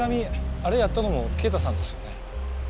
あれやったのも敬太さんですよね？